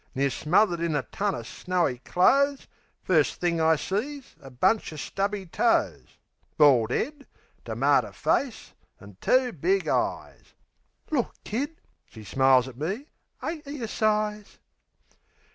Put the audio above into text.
Near smothered in a ton of snowy clothes, First thing, I sees a bunch o' stubby toes, Bald 'ead, termater face, an' two big eyes. "Look, Kid," she smiles at me. "Ain't 'e a size?"